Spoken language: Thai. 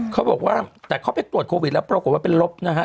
เขาบอกว่าแต่เขาไปตรวจโควิดแล้วปรากฏว่าเป็นลบนะฮะ